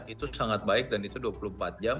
itu sangat baik dan itu dua puluh empat jam